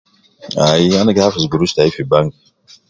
Ayi ana gi hafidhi gurush tayi fi bank.